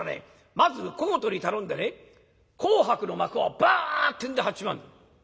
まず戸ごとに頼んでね紅白の幕をバッてんで張っちまうんだ」。